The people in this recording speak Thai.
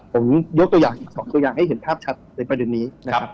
ผมยกตัวอย่างอีก๒ตัวอย่างให้เห็นภาพชัดในประเด็นนี้นะครับ